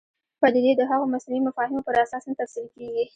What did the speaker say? پدیدې د هغو مصنوعي مفاهیمو پر اساس نه تفسیر کېږي.